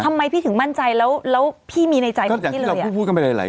ทำไมพี่ถึงมั่นใจแล้วพี่มีในใจในคิดเลย